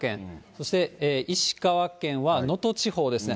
そして石川県は能登地方ですね。